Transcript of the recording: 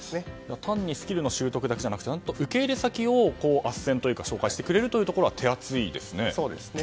単にスキルの習得だけじゃなくて受け入れ先をあっせんというか紹介してくれるというのは手厚いですね。